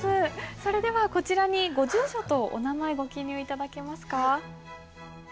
それではこちらにご住所とお名前ご記入頂けますか？